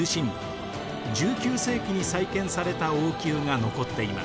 １９世紀に再建された王宮が残っています。